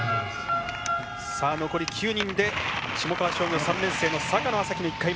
残り９人で下川商業３年生の坂野旭飛の１回目。